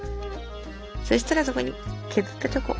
そしたらそこに削ったチョコを。